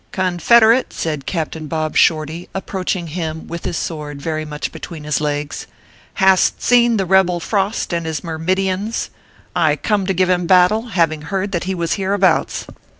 " Confederate," said Captain Bob Shorty, approach ing him with his sword very much between his legs, " hast seen the rebel Frost and his myrmidions ? I come to give him battle, having heard that he was hereabouts."